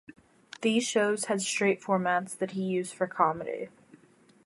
These shows had straight formats that he used for comedy.